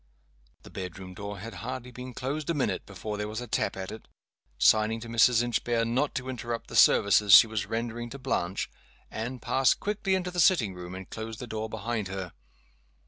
The bedroom door had hardly been closed a minute before there was a tap at it. Signing to Mrs. Inchbare not to interrupt the services she was rendering to Blanche, Anne passed quickly into the sitting room, and closed the door behind her.